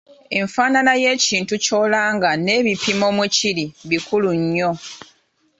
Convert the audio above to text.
Enfaanana y'ekintu ky'olanga n'ebipimo mwe kiri bikulu nnyo.